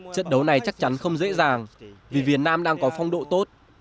trận đấu này chắc chắn không dễ dàng vì việt nam đang có phong độ tốt